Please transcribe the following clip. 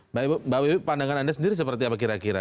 mbak wiwi pandangan anda sendiri seperti apa kira kira